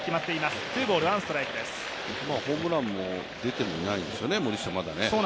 ホームラン、まだ出ていないんですよね、森下。